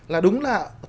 là đúng là thực tế